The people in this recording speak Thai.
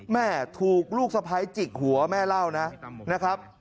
แม่ถูกลูกสะพ้ายจิกหัวแม่เล่านะครับ